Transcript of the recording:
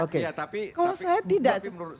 oke kalau saya tidak tapi menurut